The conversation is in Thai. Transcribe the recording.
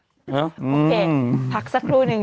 โอเคพักสักครู่นึง